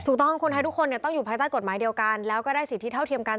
คนไทยทุกคนเนี่ยต้องอยู่ภายใต้กฎหมายเดียวกันแล้วก็ได้สิทธิเท่าเทียมกัน